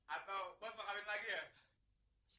atau bos bakal ambil lagi ya